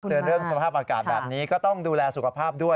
เตือนเรื่องสภาพอากาศแบบนี้ก็ต้องดูแลสุขภาพด้วย